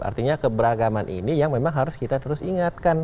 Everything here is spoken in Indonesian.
artinya keberagaman ini yang memang harus kita terus ingatkan